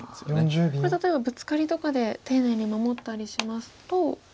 これ例えばブツカリとかで丁寧に守ったりしますと。